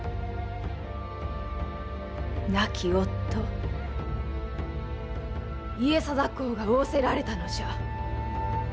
亡き夫家定公が仰せられたのじゃ。